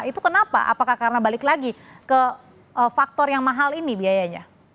itu kenapa apakah karena balik lagi ke faktor yang mahal ini biayanya